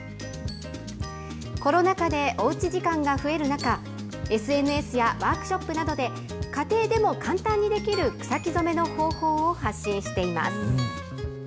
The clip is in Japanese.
コロナ禍でおうち時間が増える中、ＳＮＳやワークショップなどで、家庭でも簡単にできる草木染めの方法を発信しています。